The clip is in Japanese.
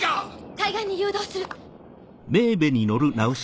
海岸に誘導する。